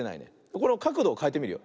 このかくどをかえてみるよ。